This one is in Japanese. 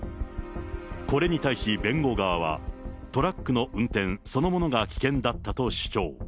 これに対し弁護側は、トラックの運転そのものが危険だったと主張。